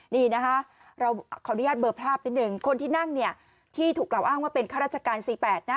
นี่นะคะเราขออนุญาตเบอร์ภาพนิดหนึ่งคนที่นั่งเนี่ยที่ถูกกล่าวอ้างว่าเป็นข้าราชการ๔๘นะ